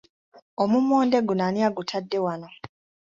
Omummonde guno ani agutadde wano?